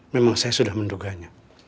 memang saya sudah menduga nya